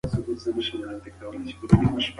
د مور تجربه ستونزې اسانه کوي.